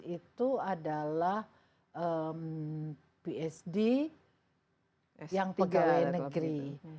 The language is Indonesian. tujuh belas itu adalah phd yang pegawai negeri